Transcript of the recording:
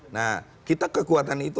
nah kita kekuatan itu